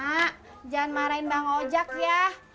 ak jangan marahin bang ojek ya